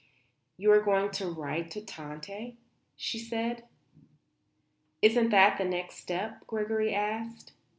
"You are going to write to Tante?" she said. "Isn't that the next step?" Gregory asked.